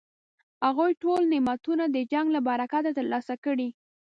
هغوی ټول نعمتونه د جنګ له برکته ترلاسه کړي.